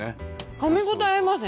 かみ応えありますね。